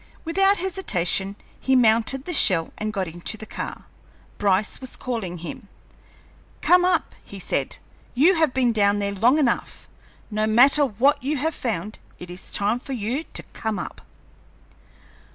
Without hesitation he mounted the shell and got into the car. Bryce was calling him. "Come up," he said. "You have been down there long enough. No matter what you have found, it is time for you to come up."